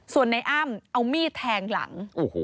ส่วนในอ้ำเอามีดแทงหลัง